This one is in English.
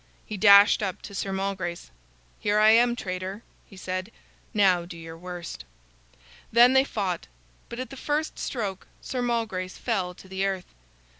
He dashed up to Sir Malgrace. "Here I am, traitor," he said. "Now do your worst." Then they fought, but at the first stroke Sir Malgrace fell to the earth.